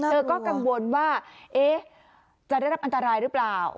เธอก็กังวลว่าจะได้รับอันตรายหรือเปล่า